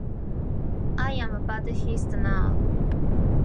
I am Buddhist now.